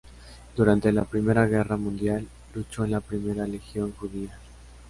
Durante la Primera Guerra Mundial luchó en la I Legión Judía.